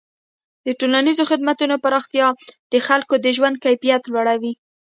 د ټولنیزو خدمتونو پراختیا د خلکو د ژوند کیفیت لوړوي.